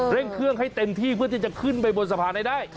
เร่งเครื่องให้เต็มที่เพื่อที่จะขึ้นไปบนสะพานให้ได้